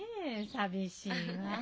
寂しいわ。